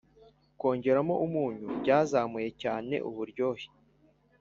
[kwongeramo umunyu byazamuye cyane uburyohe.